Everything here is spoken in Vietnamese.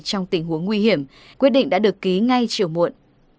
trong tình huống nguy hiểm quyết định đã được ký ngay chiều muộn